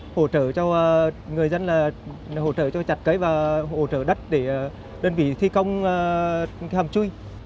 hỗ trợ cho người dân là hỗ trợ cho chặt cấy và hỗ trợ đất để đơn vị thi công hầm chui